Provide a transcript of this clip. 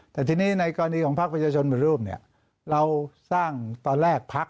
แต่ทีนี้ในกรณีของพักประชาชนเหมือนรูปเนี่ยเราสร้างตอนแรกพัก